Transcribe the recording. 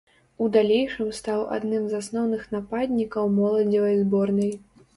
У далейшым стаў адным з асноўных нападнікаў моладзевай зборнай.